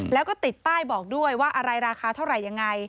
แล้วก็ติดป้ายบอกด้วยว่าอะไรราคาเท่าไหร่ยังไง